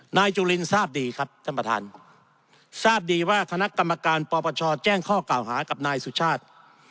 นายจุลินทราบดีครับท่านประธานทราบดีว่าคณะกรรมการปปชแจ้งข้อกล่าวหากับนายสุชาติ